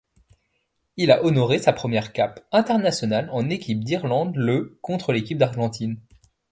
Il a honoré sa première cape internationale en équipe d'Irlande le contre l'équipe d'Argentine.